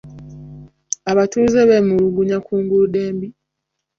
Abatuuze bemulugunya ku nguudo embi.